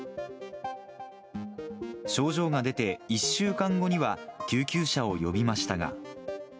症状が出て１週間後には救急車を呼びましたが。